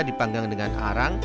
dipanggang dengan arang